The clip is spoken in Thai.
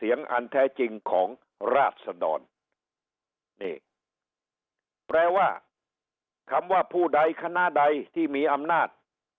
อันแท้จริงของราชดรนี่แปลว่าคำว่าผู้ใดคณะใดที่มีอำนาจ